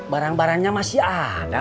barang barangnya masih ada